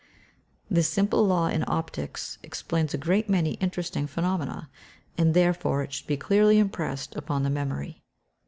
This simple law in optics explains a great many interesting phenomena, and therefore it should be clearly impressed upon the memory.